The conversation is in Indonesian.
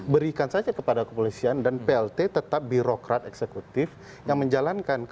berikan saja kepada kepolisian dan plt tetap birokrat eksekutif yang menjalankan